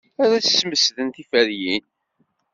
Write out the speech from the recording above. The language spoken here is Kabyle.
Ad smesden tiferyin.